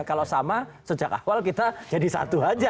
kalau sama sejak awal kita jadi satu saja